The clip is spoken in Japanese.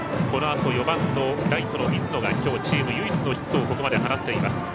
このあと４番のライトの水野がきょう、チーム唯一のヒットをここまで放っています。